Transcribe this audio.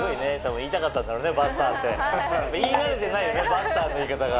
言い慣れてないよね「ばっさー」の言い方が。